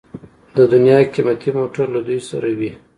د دنیا قیمتي موټر له دوی سره وي.